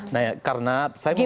nah karena saya memahami